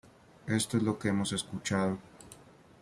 Esto es lo que hemos escuchado.